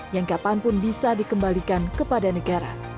yang kapanpun bisa dikembalikan kepada negara